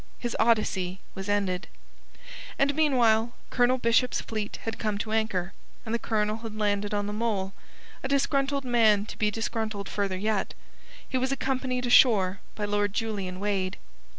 His odyssey was ended. And meanwhile Colonel Bishop's fleet had come to anchor, and the Colonel had landed on the mole, a disgruntled man to be disgruntled further yet. He was accompanied ashore by Lord Julian Wade.